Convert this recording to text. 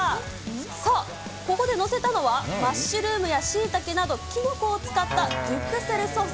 そう、ここで載せたのは、マッシュルームやしいたけなどキノコを使ったデュクセルソース。